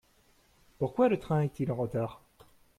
Pourquoi le train est-il en retard ?